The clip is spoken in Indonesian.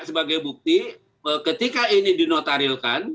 sebagai bukti ketika ini dinotarilkan